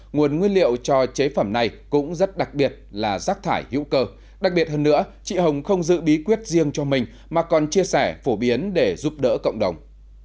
nguồn nguyên liệu cho chế phẩm này cũng rất đặc biệt là rác thải hữu cơ đặc biệt hơn nữa chị hồng không giữ bí quyết riêng cho mình mà còn chia sẻ phổ biến để giúp đỡ cộng đồng